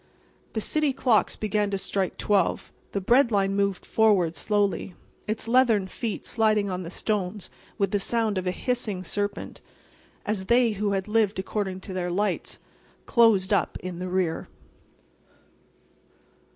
The city clocks began to strike 12; the Bread Line moved forward slowly, its leathern feet sliding on the stones with the sound of a hissing serpent, as they who had lived according to their lights closed up in the rear.